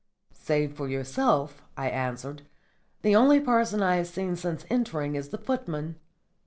"Save for yourself," I answered, "the only person I have seen since entering is the footman."